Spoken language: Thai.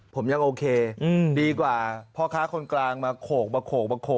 ผมยังโอเคดีกว่าพ่อค้าคนกลางมาโขก